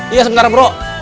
iya sebentar bro